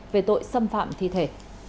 về tội xâm phạm thi thể